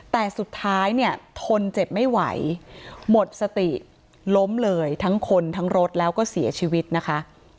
แต่สุดท้ายเนี่ยทนเจ็บไม่ไหวหมดสติล้มเลยทั้งคนทั้งรถแล้วก็เสียชีวิตนะคะ